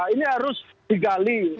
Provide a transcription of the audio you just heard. ini harus digali